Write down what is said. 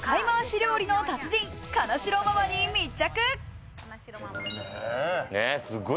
料理の達人、金城ママに密着。